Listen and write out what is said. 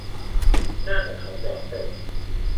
หน้าของเขาปลอดโปร่ง